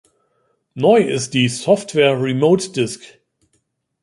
Neu ist die Software Remote Disc.